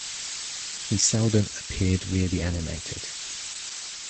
He seldom appeared really animated.